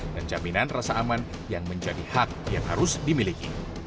dan jaminan rasa aman yang menjadi hak yang harus dimiliki